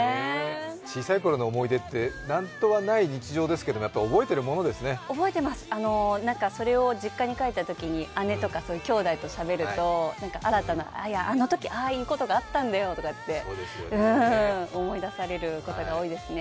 小さい頃の思い出って何とはない日常ですけどそれを実家に帰ったときに姉とかきょうだいとしゃべると、あのときああいうことがあったんだよって思い出されることが多いですね。